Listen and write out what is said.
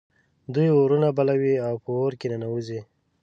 دوی اورونه بلوي او په اور کې ننوزي.